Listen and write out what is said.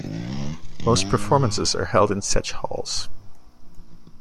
Most performances are held in such halls.